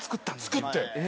作って。